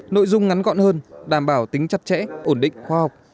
nội dung ngắn gọn hơn đảm bảo tính chặt chẽ ổn định khoa học